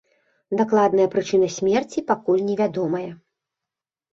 Дакладная прычына смерці пакуль невядомая.